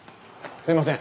すいません。